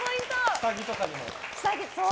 下着とかにも？